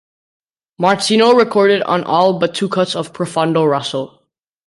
Martino recorded on all but two cuts of "Profondo rosso".